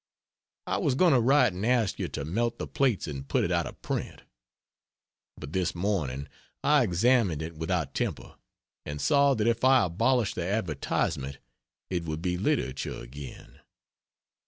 I was going to write and ask you to melt the plates and put it out of print. But this morning I examined it without temper, and saw that if I abolished the advertisement it would be literature again.